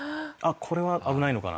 これは危ないのかな。